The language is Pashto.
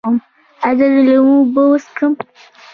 ایا زه د لیمو اوبه وڅښم؟